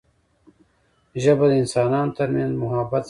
ژبه د انسانانو ترمنځ محبت زیاتوي